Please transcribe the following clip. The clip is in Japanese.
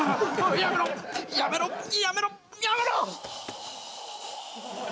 やめろやめろやめろやめろ！